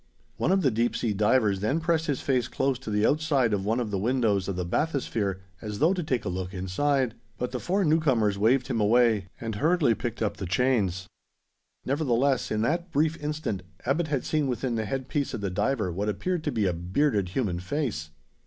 One of the deep sea divers then pressed his face close to the outside of one of the windows of the bathysphere, as though to take a look inside; but the four newcomers waved him away, and hurriedly picked up the chains. Nevertheless, in that brief instant, Abbot had seen within the head piece of the diver what appeared to be a bearded human face.